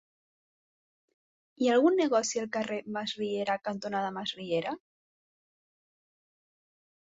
Hi ha algun negoci al carrer Masriera cantonada Masriera?